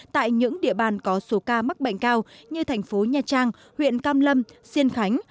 tại những địa bàn có số ca mắc bệnh cao như thành phố nha trang huyện cam lâm diên khánh